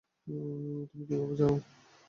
তুমি কিভাবে জান?